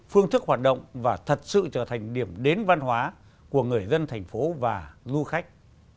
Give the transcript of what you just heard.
phương thức hoạt động và thật sự trở thành điểm đến văn hóa của người dân thành phố và du khách